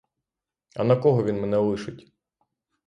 А на кого він мене лишить!